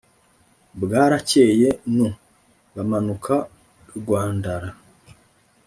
Bwarakeye nu, bamanuka Rwandara